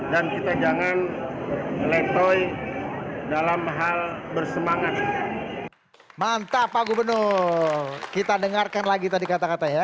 dan kita jangan letoy dalam hal bersemangat mantap pak gubernur kita dengarkan lagi tadi kata kata ya